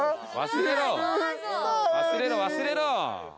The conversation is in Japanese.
忘れろ忘れろ。